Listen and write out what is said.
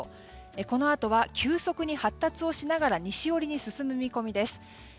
このあとは急速に発達をしながら西寄りに進む見込みです。